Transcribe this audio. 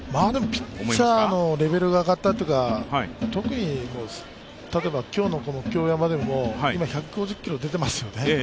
ピッチャーのレベルが上がったというか、特に、例えば今日の京山でも１５０キロ出ていますよね。